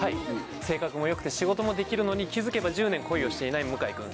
性格も良くて仕事もできるのに気づけば１０年恋をしていない向井くん。